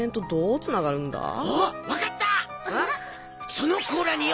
その甲羅によ